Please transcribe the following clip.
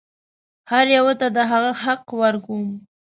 هر یوه ته د هغه حق ورکوم.